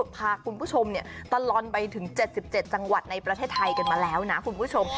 พาคุณผู้ชมตลอดไปถึง๗๗จังหวัดในประเทศไทยกันมาแล้วนะคุณผู้ชม